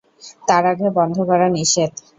তার আগে বন্ধ করা নিষেধ।